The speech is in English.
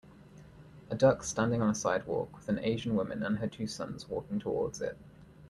A duck standing on a sidewalk with an Asian woman and her two sons walking towards it.